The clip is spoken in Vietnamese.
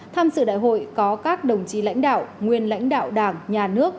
tham dự đại hội có các đồng chí lãnh đạo nguyên lãnh đạo đảng nhà nước